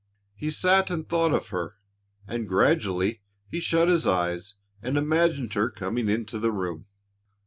He sat and thought of her and gradually he shut his eyes and imagined her coming into the room.